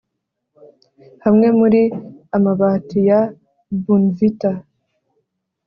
hamwe muri amabati ya bournvita